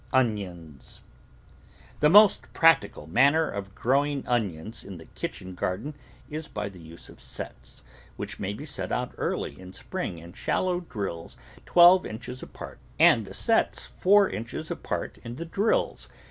ONIONS The most practical manner of growing onions in the kitchen garden is by the use of sets, which may be set out early in spring in shallow drills twelve inches apart and the sets four inches apart in the drills.